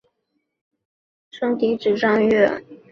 生嫡子张锐。